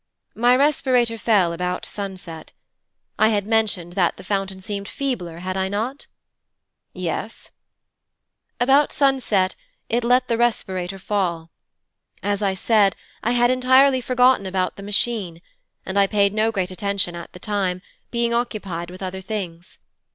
'My respirator fell about sunset. I had mentioned that the fountain seemed feebler, had I not?' 'Yes.' 'About sunset, it let the respirator fall. As I said, I had entirely forgotten about the Machine, and I paid no great attention at the time, being occupied with other things.